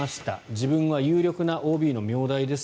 自分は有力なＯＢの名代です